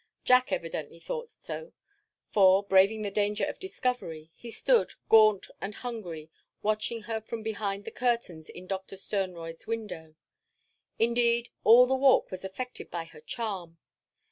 Jack evidently thought so, for, braving the danger of discovery, he stood, gaunt and hungry, watching her from behind the curtains in Doctor Sternroyd's window. Indeed, all the Walk was affected by her charm.